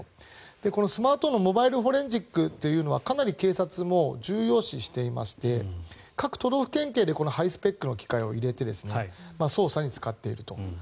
このスマートフォンはかなり警察も重要視していまして各都道府県警でハイスペックの機械を入れて捜査に使っていると。